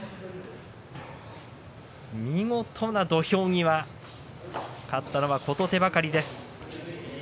見事な土俵際勝ったのは琴手計です。